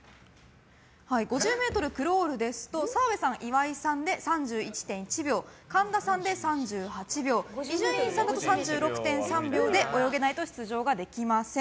５０ｍクロールですと澤部さん、岩井さんで３１．１秒神田さんで３８秒伊集院さんだと３６．３秒で泳げないと出場できません。